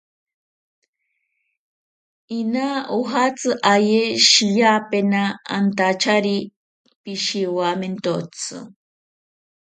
Ina ojatsi aye shiyapena antachari pishiwaimentotsi.